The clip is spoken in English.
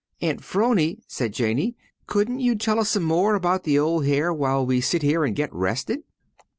"Aunt 'Phrony," said Janey, "couldn't you tell us some more about the old hare while we sit here and get rested?"